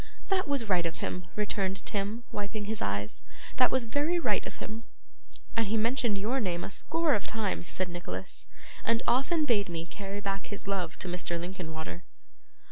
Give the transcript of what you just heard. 'That was right of him,' returned Tim, wiping his eyes; 'that was very right of him.' 'And he mentioned your name a score of times,' said Nicholas, 'and often bade me carry back his love to Mr. Linkinwater.